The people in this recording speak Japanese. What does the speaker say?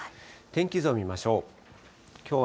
天気図を見ましょう。